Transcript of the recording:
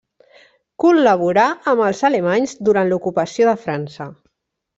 Col·laborà amb els alemanys durant l'ocupació de França.